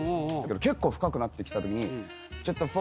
結構深くなってきたときに。